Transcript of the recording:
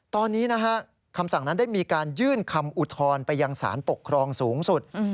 ตอนนี้นะฮะคำสั่งนั้นได้มีการยื่นคำอุทธรณ์ไปยังสารปกครองสูงสุด